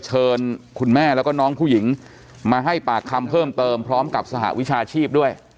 เชิญคุณแม่แล้วก็น้องผู้หญิงมาให้ปากคำเพิ่มเติมพร้อมกับสหวิชาชีพด้วย